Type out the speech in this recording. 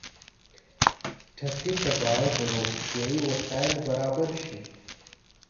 ټپي ته باید روغتیایي وسایل برابر شي.